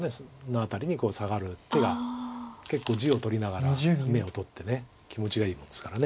の辺りにサガる手が結構地を取りながら眼を取って気持ちがいいもんですから。